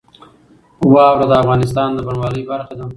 واوره د افغانستان د بڼوالۍ برخه ده.